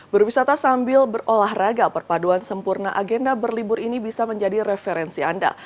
berwisata sambil berolahraga perpaduan sempurna agenda berlibur ini bisa menjadi referensi anda